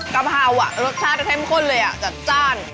กะเพรารสชาติเข้มข้นเลยอ่ะจัดจ้าน